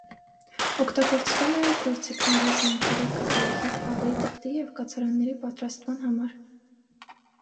Օգտագործվել է գործիքների, զենքերի, կահույքի, թառի, թղթի և կացարանների պատրաստման համար։